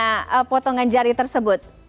dari potongan jari tersebut